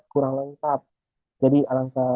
kurang lengkap jadi alangkah